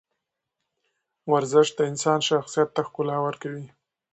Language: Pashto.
ورزش د انسان شخصیت ته ښکلا ورکوي.